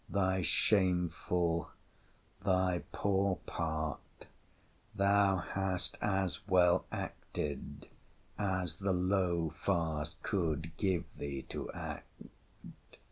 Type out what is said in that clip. —thy shameful, thy poor part, thou hast as well acted as the low farce could give thee to act!